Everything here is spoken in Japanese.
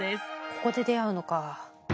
ここで出会うのか。